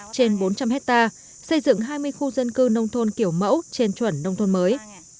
trên bốn trăm linh hectare xây dựng hai mươi khu dân cư nông thôn kiểu mẫu trên chuẩn nông thôn mới